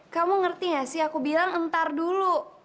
kamu ngerti gak sih aku bilang ntar dulu